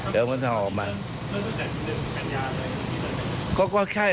เดี๋ยวเค้ามีคำสั่งออกมา